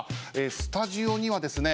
スタジオにはですね